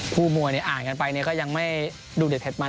คู่มัวเนี่ยอ่านกันไปเนี่ยก็ยังไม่ดูเด็ดเผ็ดมัน